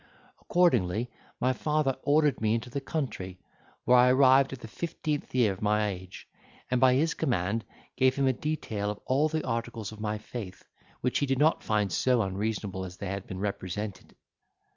Accordingly, my father ordered me into the country, where I arrived in the fifteenth year of my age, and, by his command gave him a detail of all the articles of my faith, which he did not find so unreasonable as they had been represented.